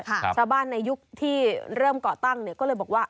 ชาวบ้านในยุคที่เริ่มเกาะตั้งเนี่ยก็เลยบอกว่า